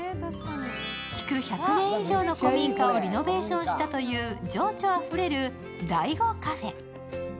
築１００年以上の古民家をリノベーションしたという情緒あふれるｄａｉｇｏｃａｆｅ。